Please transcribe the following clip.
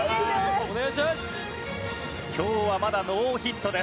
今日はまだノーヒットです。